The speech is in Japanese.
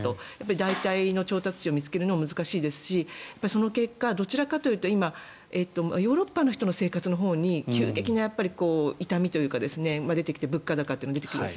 代替の調達地を見つけるのも難しいですしその結果、どちらかというと今、ヨーロッパの人の生活のほうに急激な痛みというかが出てきて物価高とかが出てきている。